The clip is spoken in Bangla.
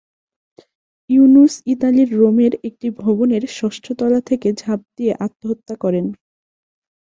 ইউনুস ইতালির রোমের একটি ভবনের ষষ্ঠ তলা থেকে ঝাঁপ দিয়ে আত্মহত্যা করেন।